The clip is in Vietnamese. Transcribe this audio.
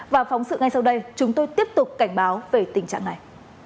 và phóng sự ngay sau đây chúng tôi tiếp tục cảnh báo về tình trạng này